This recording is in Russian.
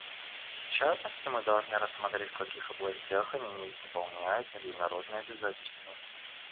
В частности, мы должны рассмотреть, в каких областях они не выполняют международные обязательства.